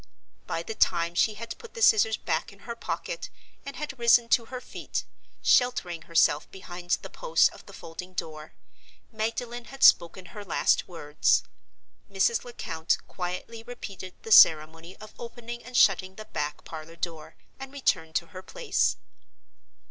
By the time she had put the scissors back in her pocket, and had risen to her feet (sheltering herself behind the post of the folding door), Magdalen had spoken her last words. Mrs. Lecount quietly repeated the ceremony of opening and shutting the back parlor door; and returned to her place.